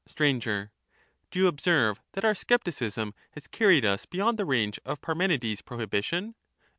Str, Do you observe that our scepticism has carried us beyond the range of Parmenides' prohibition